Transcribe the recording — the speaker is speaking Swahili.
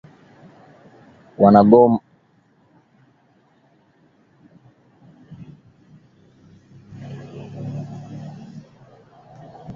Wanamgambo wa Uganda wamekuwa wakiendesha harakati zao